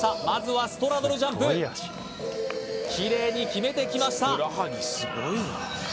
まずはストラドルジャンプきれいに決めてきました